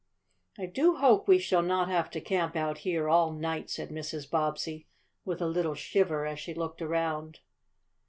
"I do hope we shall not have to camp out here all night," said Mrs. Bobbsey, with a little shiver, as she looked around.